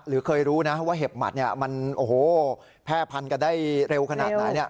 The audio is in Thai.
หรือเคยรู้นะว่าเห็บหมัดมันโอ้โหแพร่พันกันได้เร็วขนาดไหน